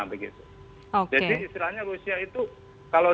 begitu jadi istilahnya rusia itu kalau